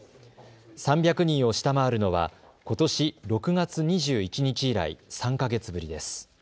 ３００人を下回るのはことし６月２１日以来、３か月ぶりです。